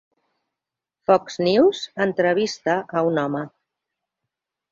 Fox News entrevista a un home